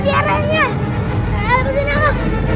tidak ada mutiara